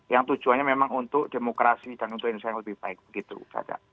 yang tujuannya memang untuk demokrasi dan untuk indonesia yang lebih baik begitu caca